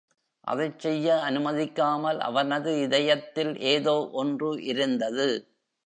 அதைச் செய்ய அனுமதிக்காமல், அவனது இதயத்தில் ஏதோ ஒன்று இருந்தது.